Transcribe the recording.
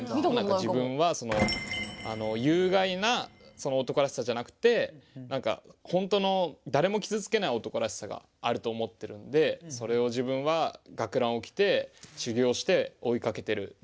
自分はその有害な男らしさじゃなくて何かほんとの誰も傷つけない男らしさがあると思ってるんでそれを自分は学ランを着て修行して追いかけてる身です。